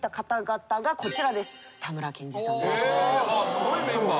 すごいメンバー。